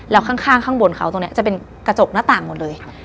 แล้วข้างข้างบนเขาตรงนี้จะเป็นกระจกหน้าต่างหมดเลย